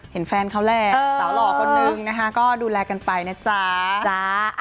เห็นแฟนเขาแหละสาวหล่อคนนึงนะคะก็ดูแลกันไปนะจ๊ะ